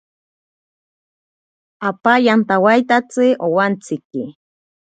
Apa yantawaitsi owantsiki.